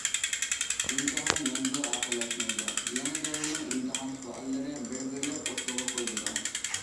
« ئىمتىھان» مەڭگۈ ئاخىرلاشمايدۇ، يېڭى دەۋرنىڭ ئىمتىھان سوئاللىرى بىر- بىرلەپ ئوتتۇرىغا قويۇلىدۇ.